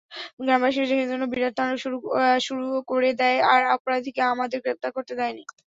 গ্রামবাসীরা সেজন্য বিরাট তাণ্ডব শুরু দেয় আর অপরাধী কে আমাদের গ্রেপ্তার করতে দেয়নি।